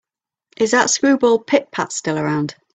Is that screwball Pit-Pat still around?